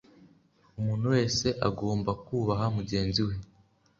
Umuntu wese agomba kubaha mujyenziwe.